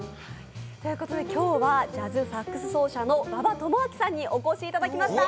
今日はジャズサックス奏者の馬場智章さんにお越しいただきました。